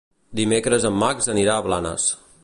Dimecres en Max anirà a Blanes.